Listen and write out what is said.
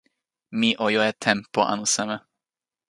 mi o jo e tenpo, anu seme.